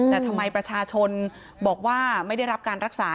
แต่ทำไมประชาชนบอกว่าไม่ได้รับการรักษา